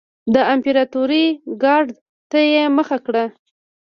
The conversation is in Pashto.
د امپراتورۍ ګارډ ته یې مخه کړه.